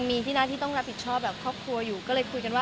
มีปิดฟงปิดไฟแล้วถือเค้กขึ้นมา